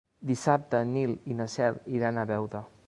Dissabte en Nil i na Cel iran a Beuda.